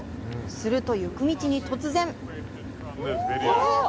すると、行く道に突然。